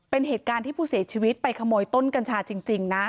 เป็นเหตุการณ์ที่ผู้เสียชีวิตไปขโมยต้นกัญชาจริงนะ